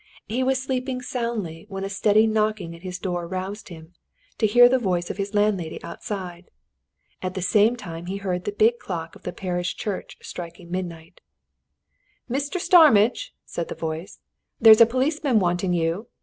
He was sleeping soundly when a steady knocking at his door roused him, to hear the voice of his landlady outside. And at the same time he heard the big clock of the parish church striking midnight. "Mr. Starmidge!" said the voice, "there's a policeman wanting you.